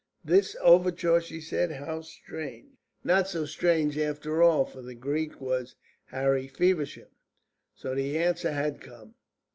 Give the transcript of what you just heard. "This overture?" she said. "How strange!" "Not so strange after all. For the Greek was Harry Feversham." So the answer had come.